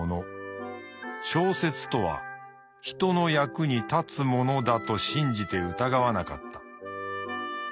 小説とは人の役に立つものだと信じて疑わなかった。